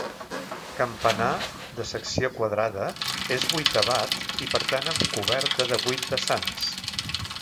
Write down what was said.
Campanar, de secció quadrada, és vuitavat i per tant amb coberta de vuit vessants.